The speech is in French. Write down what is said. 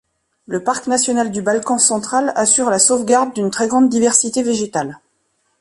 Le parc national du Balkan central assure la sauvegarde d’une très grande diversité végétale.